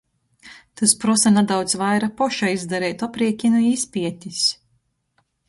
Tys prosa nadaudz vaira poša izdareitu apriekinu i izpietis.